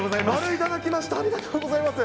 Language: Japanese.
〇頂きました、ありがとうございます。